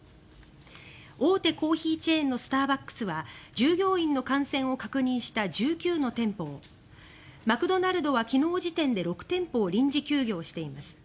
大手コーヒーチェーンのスターバックスは従業員の感染を確認した１９の店舗をマクドナルドは昨日時点で６店舗を臨時休業しています。